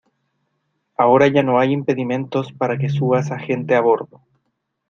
ahora ya no hay impedimentos para que suba esa gente a bordo.